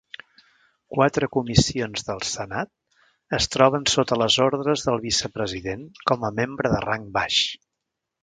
Quatre comissions del senat es troben sota les ordres del vicepresident com a membre de rang baix.